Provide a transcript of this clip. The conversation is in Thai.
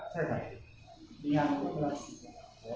ใครเดินด้านหน้าก็